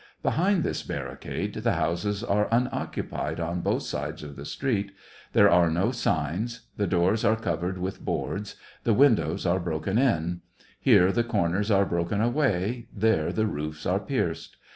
Behind this barricade, the houses are un occupied on both sides of the street, there are no signs, the doors are covered with boards, the win dows are broken in ; here the corners are broken away, there the roofs are pierced.